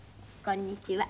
「こんにちは」